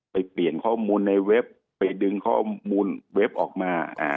ไปเปลี่ยนข้อมูลในเว็บไปดึงข้อมูลเว็บออกมา